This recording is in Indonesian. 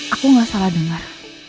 aku gak salah dengar